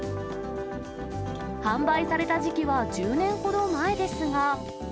販売された時期は１０年ほど前ですが。